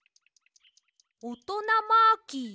「おとなマーキーへ。